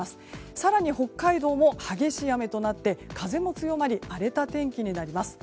更に北海道も激しい雨となって風も強まり荒れた天気になります。